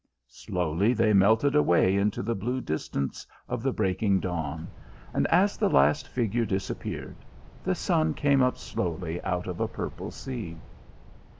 Slowly they melted away into the blue distance of the breaking dawn, and, as the last figure disappeared, the sun came up slowly out of a purple sea.